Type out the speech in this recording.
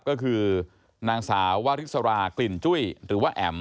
ก็คือนางสาววะฤทธิ์สระกลิ่นจุ้ยหรือวะแอ๐ม